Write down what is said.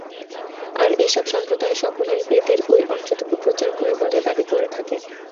আর এ-সব সম্প্রদায়ের সকলেই বেদের ঐ অংশটুকই প্রচার করে বলে দাবী করে থাকে।